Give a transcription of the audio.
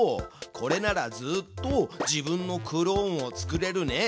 これならずっと自分のクローンを作れるね。